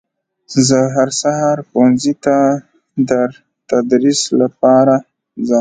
زه هر سهار ښوونځي ته در تدریس لپاره ځم